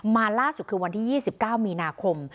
ล่าสุดคือวันที่๒๙มีนาคม